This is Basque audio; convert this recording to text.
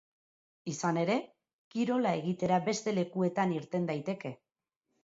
Izan ere, kirola egitera beste lekuetan irten daitezke.